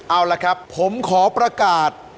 เอาละครับผมขอประกาศ